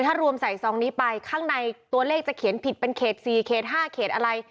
ถ้ารวมใส่ซองนี้ไปข้างในตัวเลขจะเขียนผิดเป็นเขต๔เขต๕เขตอะไร